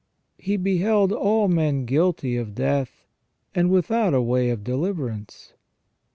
He beheld all men guilty of death, and without a way of deliverance.